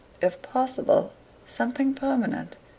"If possible, something permanent.